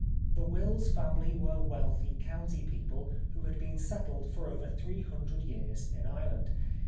The Wills family were wealthy county people who had been settled for over three hundred years in Ireland.